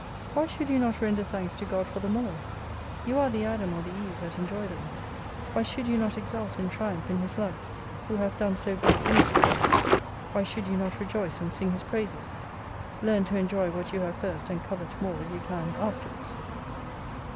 Why should you not render thanks to God for them all ? You are the Adam or the Eve that enjoy them. Why should you not exult and triumph in His love who hath done so great things for you ? Why should you not rejoice and sing His praises ? Learn to enjoy what you have first, and covet more if you can afterwards.